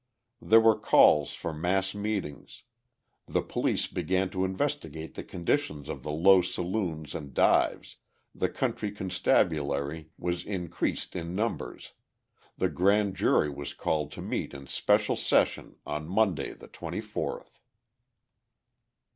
There were calls for mass meetings, the police began to investigate the conditions of the low saloons and dives, the country constabulary was increased in numbers, the grand jury was called to meet in special session on Monday the 24th.